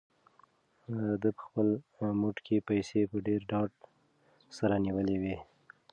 ده په خپل موټ کې پیسې په ډېر ډاډ سره نیولې وې.